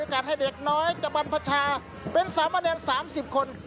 มีโอกาสให้เด็กน้อยจากบรรพชาเป็น๓มาแดง๓๐คน